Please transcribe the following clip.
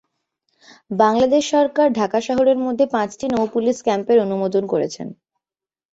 বাংলাদেশ সরকার ঢাকা শহরের মধ্যে পাঁচটি নৌ পুলিশ ক্যাম্পের অনুমোদন করেছেন।